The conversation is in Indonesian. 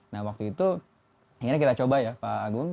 nah waktu itu akhirnya kita coba ya pak agung